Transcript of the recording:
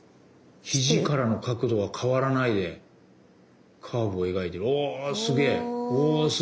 肘からの角度は変わらないでカーブを描いてる。